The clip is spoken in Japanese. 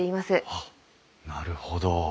あっなるほど。